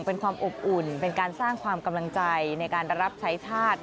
เป็นความอบอุ่นเป็นการสร้างความกำลังใจในการรับใช้ชาติ